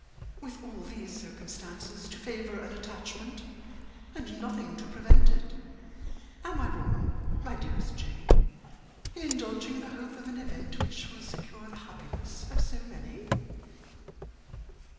With all these circumstances to favour an attachment, and nothing to prevent it, am I wrong, my dearest Jane, in indulging the hope of an event which will secure the happiness of so many?